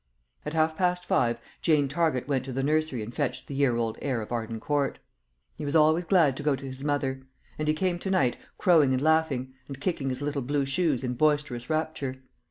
At half past five Jane Target went to the nursery and fetched the year old heir of Arden Court. He was always glad to go to his mother; and he came to night crowing and laughing, and kicking his little blue shoes in boisterous rapture.